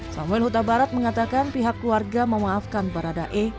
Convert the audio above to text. samuel huta barat mengatakan pihak keluarga memaafkan baradae